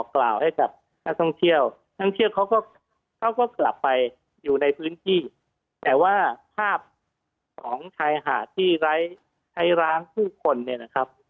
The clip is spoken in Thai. กล่าวให้กับนักท่องเที่ยวท่องเที่ยวเขาก็เขาก็กลับไปอยู่ในพื้นที่แต่ว่าภาพของชายหาดที่ไร้ใช้ร้างผู้คนเนี่ยนะครับ